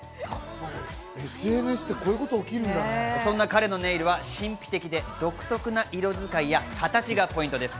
そんな彼のネイルは神秘的で独特な色使いや形がポイントです。